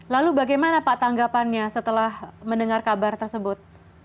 lalu bagaimana pak tanggapannya setelah mendengar kabar tersebut